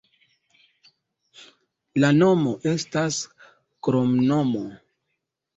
La nomo estas kromnomo.